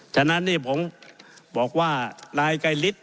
ฉะนั้นนี่ผมบอกว่านายไกรฤทธ